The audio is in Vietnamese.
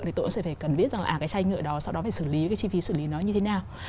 thì tôi cũng sẽ phải cần biết rằng là chai nhựa đó sau đó phải xử lý chi phí xử lý nó như thế nào